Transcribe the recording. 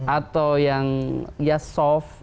atau yang ya soft